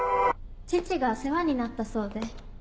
父が世話になったそうで。